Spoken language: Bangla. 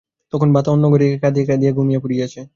তখন তাতা অন্য ঘরে কাঁদিয়া কাঁদিয়া ঘুমাইয়া পড়িয়াছে।